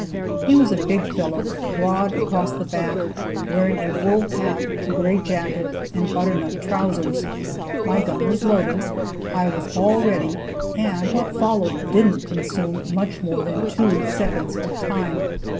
He was a big fellow, broad across the back, wearing a wool hat, a gray jacket, and butternut trousers. My gun was loaded, I was all ready, and what followed didn't consume much more than two seconds of time.